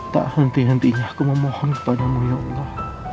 tak henti hentinya aku memohon kepadamu ya allah